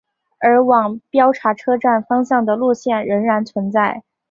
而往标茶车站方向的路线仍然存在。